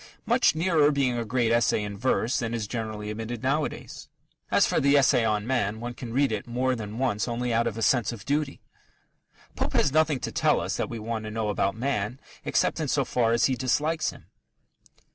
much nearer being a great essay in verse than is generally admitted nowadays. As for the Essay on Man, one can read! it more than once only out of a sense of duty. Pope has nothing to tell us that we want to know about man except in so far as he dislikes him.